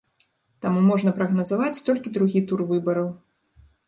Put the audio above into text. Таму можна прагназаваць толькі другі тур выбараў.